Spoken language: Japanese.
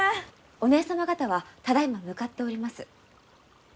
お姐様方はただいま向かっております。